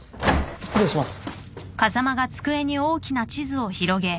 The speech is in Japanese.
失礼します。